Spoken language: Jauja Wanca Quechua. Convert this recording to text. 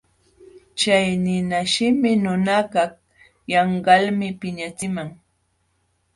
Chay ninashimi nunakaq yanqalmi piñaqchiman.